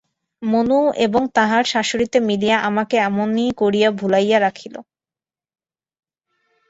মনু এবং তাহার শাশুড়িতে মিলিয়া আমাকে এমনি করিয়া ভুলাইয়া রাখিল।